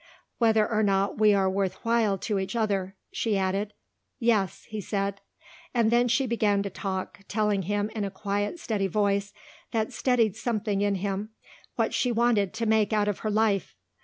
"Whether or not we are worth while to each other," she added. "Yes," he said. And then she began to talk, telling him in a quiet steady voice that steadied something in him what she wanted to make out of her life.